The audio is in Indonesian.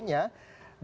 apa yang kemudian